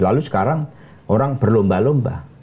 lalu sekarang orang berlomba lomba